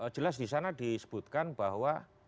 jelas disana disebutkan bahwa